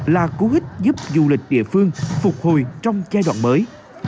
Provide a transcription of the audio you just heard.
là cú hích giúp du lịch địa phương phục hồi trong giai đoạn mới